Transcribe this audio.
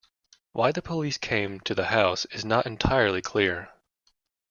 Why the police came to the house is not entirely clear.